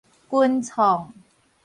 群創